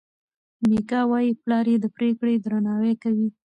میکا وايي پلار یې د پرېکړې درناوی کوي.